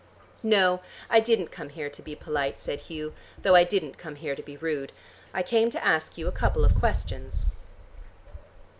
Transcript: "No. I didn't come here to be polite," said Hugh, "though I didn't come here to be rude. I came to ask you a couple of questions."